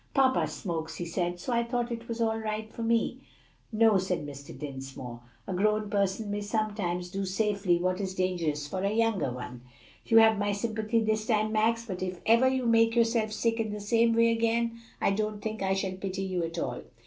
"Papa smokes," he said, "so I thought it was all right for me." "No," said Mr. Dinsmore; "a grown person may sometimes do safely what is dangerous for a younger one. You have my sympathy this time, Max, but if ever you make yourself sick in the same way again, I don't think I shall pity you at all.